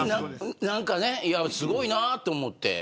すごいなと思って。